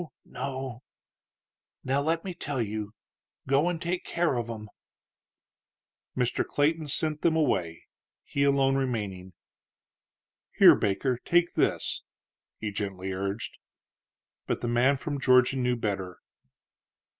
Now, let me tell you: Go an' take care of 'em." Mr. Clayton sent them away, he alone remaining. "Here, Baker; take this," he gently urged. But the man from Georgia knew better.